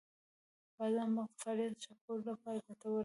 • بادام د مغزو د فعالیت ښه کولو لپاره ګټور دی.